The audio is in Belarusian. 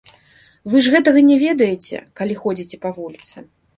Вы ж гэтага не ведаеце, калі ходзіце па вуліцы.